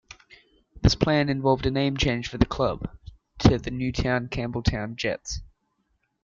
This plan involved a name change for the club, to the Newtown-Campbelltown Jets.